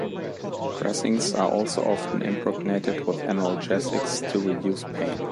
Dressings are also often impregnated with analgesics to reduce pain.